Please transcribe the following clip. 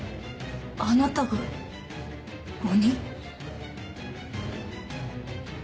あなたが鬼？